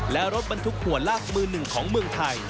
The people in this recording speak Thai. และรถบรรทุกหัวลากมือหนึ่งของเมืองไทย